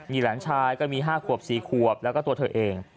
มีหลานชายก็มี๕ขวบ๔ขวบแล้วก็ตัวเธอเอง